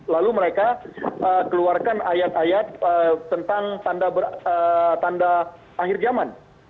lalu mereka keluarkan ayat ayat tentang tanda akhir zaman